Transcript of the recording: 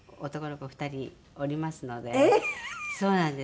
そうなんです。